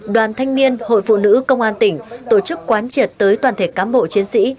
đoàn thanh niên hội phụ nữ công an tỉnh tổ chức quán triệt tới toàn thể cán bộ chiến sĩ